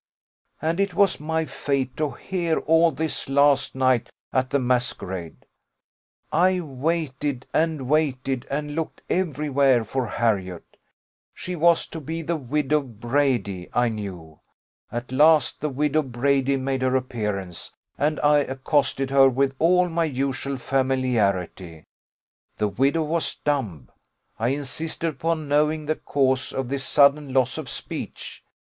And it was my fate to hear all this last night at the masquerade. I waited, and waited, and looked every where for Harriot she was to be the widow Brady, I knew: at last the widow Brady made her appearance, and I accosted her with all my usual familiarity. The widow was dumb. I insisted upon knowing the cause of this sudden loss of speech.